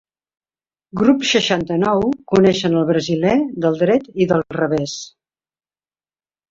Grup seixanta-nou coneixen el brasiler del dret i del revés.